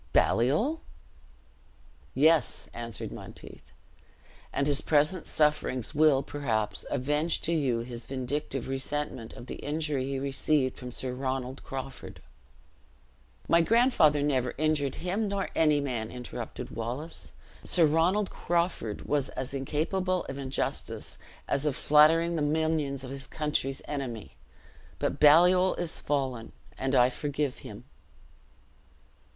"Baliol?" "Yes," answered Monteith; "and his present sufferings will, perhaps, avenge to you his vindictive resentment of the injury he received from Sir Ronald Crawford." "My grandfather never injured him, nor any man!" interrupted Wallace: "Sir Ronald Crawford was as incapable of injustice as of flattering the minions of his country's enemy. But Baliol is fallen, and I forgive him."